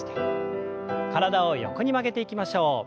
体を横に曲げていきましょう。